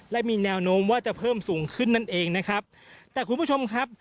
และมีแนวโน้มว่าจะเพิ่มสูงขึ้นนั่นเองนะครับแต่คุณผู้ชมครับ